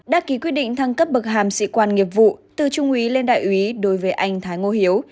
đã ký quyết định thăng cấp bậc hàm sĩ quan nghiệp vụ từ trung úy lên đại úy đối với anh thái ngô hiếu